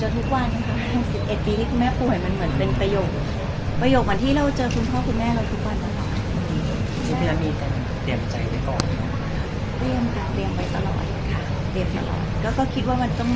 ทุกวันเรายังขอคุยกัน